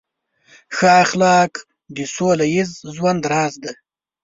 ښه اخلاق د سوله ییز ژوند راز دی.